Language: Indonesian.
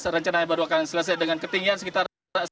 rencana baru akan selesai dengan ketinggian sekitar seratus